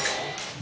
何？